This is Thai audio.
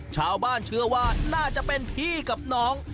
ชาวบ้านเชื่อว่าน่าจะเป็นพี่กับน้อง